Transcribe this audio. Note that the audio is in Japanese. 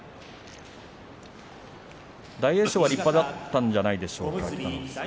大栄翔は立派だったんじゃないでしょうか、北の富士さん。